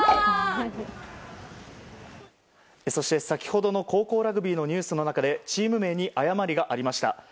先ほどの高校ラグビーのニュースの中でチーム名に誤りがありました。